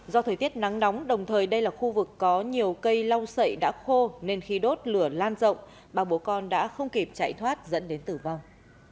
do thời tiết nắng nóng đồng thời đây là khu vực có nhiều cây lau sậy đã khô nên khi đốt lửa lan rộng ba bố con đã không kịp chạy thoát dẫn đến tử vong